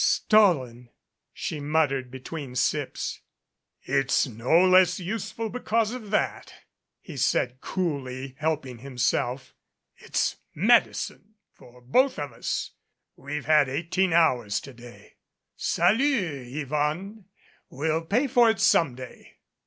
"Stolen," she muttered between sips. "It's no less useful because of that," he said, coolly helping himself. "It's medicine for both of us. We've had eighteen hours to day. Salut, Yvonne! We'll pay for it some day."